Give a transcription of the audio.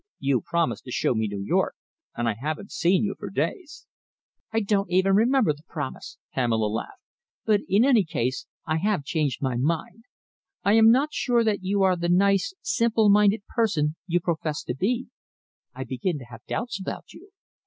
You promised to show me New York, and I haven't seen you for days." "I don't even remember the promise," Pamela laughed, "but in any case I have changed my mind. I am not sure that you are the nice, simple minded person you profess to be. I begin to have doubts about you."